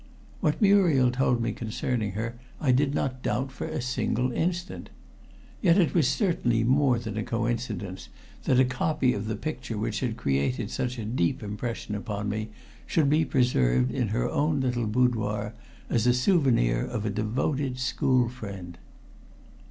What Muriel told me concerning her, I did not doubt for a single instant. Yet it was certainly more than a coincidence that a copy of the picture which had created such a deep impression upon me should be preserved in her own little boudoir as a souvenir of a devoted school friend.